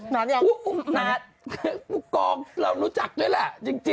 สะพานรอยจริง